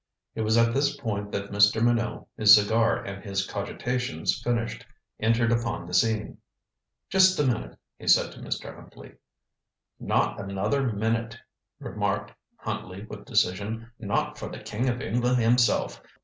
It was at this point that Mr. Minot, his cigar and his cogitations finished, entered upon the scene. "Just a minute," he said to Mr. Huntley. "Not another minute," remarked Huntley with decision. "Not for the King of England himself.